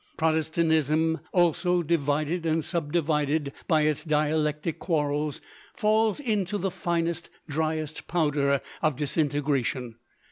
Protestantism also, divided and subdivided by its dialectic quarrels, falls into the finest, driest powder of disintegration.